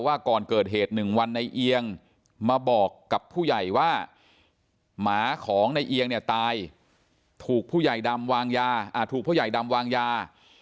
ก่อนเกิดเหตุ๑วันในเอียงมาบอกกับผู้ใหญ่ว่าหมาของในเอียงเนี่ยตายถูกผู้ใหญ่ดำวางยาถูกผู้ใหญ่ดำวางยา